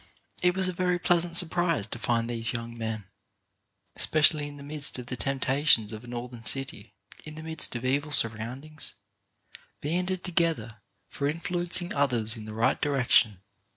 It was a very pleasant surprise to find these young men, especially in the midst of the tempta tions of a Northern city, in the midst of evil sur roundings, banded together for influencing others in the right direction.